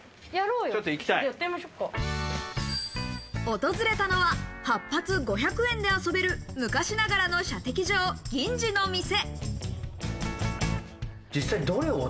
訪れたのは８発５００円で遊べる昔ながらの射的場・銀次の店。